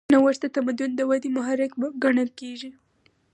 نوښت د تمدن د ودې محرک ګڼل کېږي.